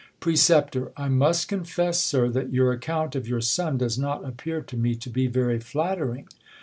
Precep. I must confess, Sir, that your account of your son does not appear to me to be very flattering.